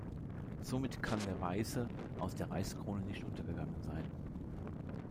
Somit kann der »Waise« aus der Reichskrone nicht untergegangen sein.